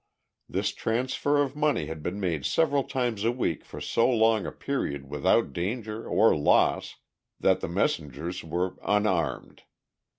This transfer of money had been made several times a week for so long a period without danger or loss that the messengers were unarmed.